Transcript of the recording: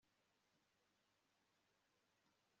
nta mwuka na busa ubiva mu kanwa